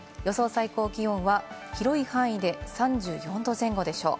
最高気温は広い範囲で３４度前後でしょう。